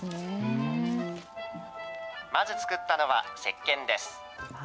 まず作ったのは、せっけんです。